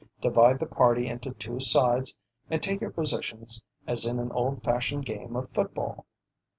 Divide the party into two sides and take your positions as in an old fashioned game of football.